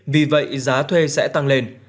vì vậy giá thuê sẽ tăng lên